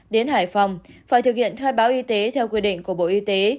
đến hải phòng phải thực hiện khai báo y tế theo quy định của bộ y tế